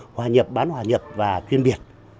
hòa nhập bán hòa nhập và chuyên biệt